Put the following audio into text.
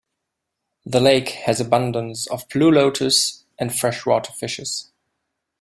The lake has abundance of blue lotus and fresh water fishes.